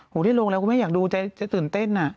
โหได้ลงแล้วกูไม่อยากดูใจจะตื่นเต้นน่ะ